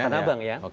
tanah abang ya